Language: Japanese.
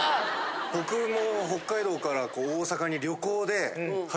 僕も。